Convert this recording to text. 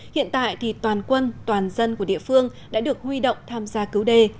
hiện tại thì toàn quân toàn dân của địa phương đã được huy động tham gia cứu đê